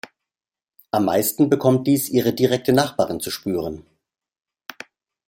Am meisten bekommt dies ihre direkte Nachbarin zu spüren.